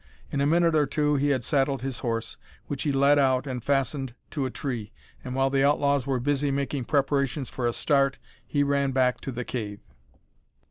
In a minute or two he had saddled his horse, which he led out and fastened to a tree, and, while the outlaws were busy making preparations for a start, he ran back to the cave.